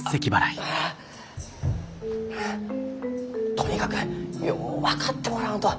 とにかくよう分かってもらわんと。